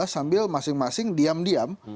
sambil masing masing diam diam